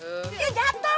eh dia jatuh